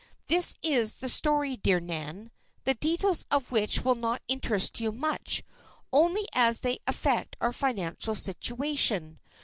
"This is the story, dear Nan, the details of which will not interest you much, only as they affect our financial situation.